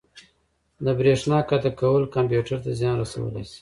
د بریښنا قطع کول کمپیوټر ته زیان رسولی شي.